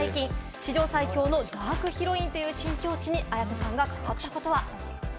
史上最強のダークヒロインという新境地に綾瀬さんが語ったこととは？